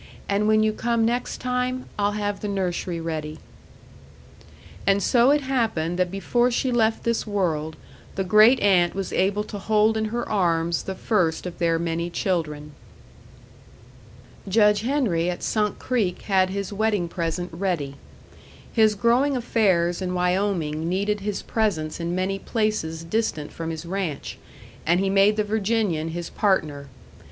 "And when you come next time, I'll have the nursery ready." And so it happened that before she left this world, the great aunt was able to hold in her arms the first of their many children. Judge Henry at Sunk Creek had his wedding present ready. His growing affairs in Wyoming needed his presence in many places distant from his ranch, and he made the Virginian his partner.